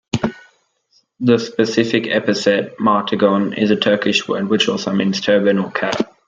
The specific epithet "martagon" is a Turkish word which also means turban or cap.